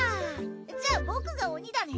じゃあ僕が鬼だね。